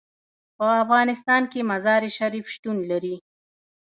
په افغانستان کې مزارشریف شتون لري.